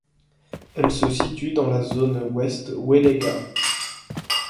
Elle se situe dans la Zone Ouest Wellega.